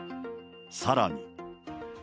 さらに。